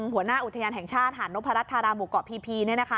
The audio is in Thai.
หัวหน้าอุทธยานแห่งชาติหานภรรทรมุกเกาะพีนะนะคะ